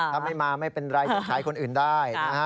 ถ้าไม่มาไม่เป็นไรจะใช้คนอื่นได้นะฮะ